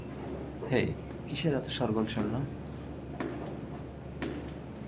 হেই, কীসের এতো শোরগোল শুনলাম?